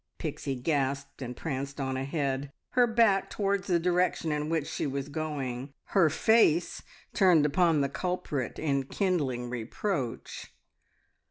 Pixie gasped and pranced on ahead, her back towards the direction in which she was going, her face turned upon the culprit in kindling reproach.